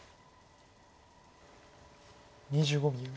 ２５秒。